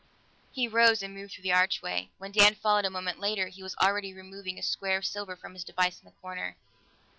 He rose and moved through the archway; when Dan followed a moment later, he was already removing a square of silver from his device in the corner.